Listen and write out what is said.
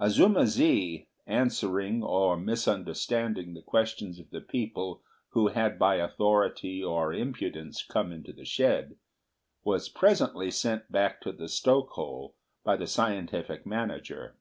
Azuma zi, answering or misunderstanding the questions of the people who had by authority or impudence come into the shed, was presently sent back to the stoke hole by the scientific manager.